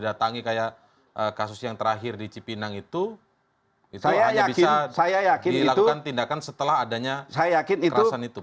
atau apa figur tertentu